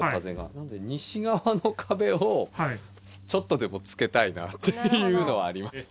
なので西側の壁をちょっとでも付けたいなっていうのはあります。